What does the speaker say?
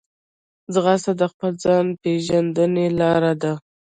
ځغاسته د خپل ځان پېژندنې لار ده